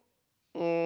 うん。